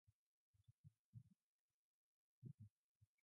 The war ended with Nenora being exposed as a Skrull.